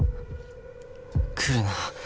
来るな。